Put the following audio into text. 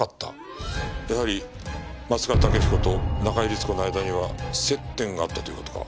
やはり松川竹彦と中井律子の間には接点があったという事か。